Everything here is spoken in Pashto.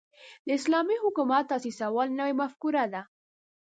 د اسلامي حکومت تاسیسول نوې مفکوره ده.